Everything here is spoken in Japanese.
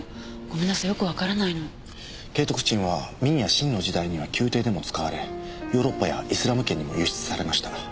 景徳鎮は明や清の時代には宮廷でも使われヨーロッパやイスラム圏にも輸出されました。